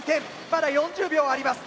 まだ４０秒あります。